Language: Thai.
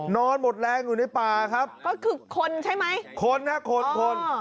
นอนหมดแรงอยู่ในป่าครับก็คือคนใช่ไหมคนนะคนคน